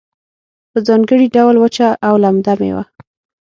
په ځانګړي ډول وچه او لمده میوه